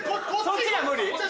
そっちが無理？